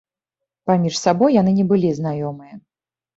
Паміж сабой яны не былі знаёмыя.